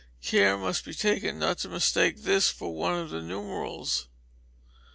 Care must be taken not to mistake this for one of the numerals.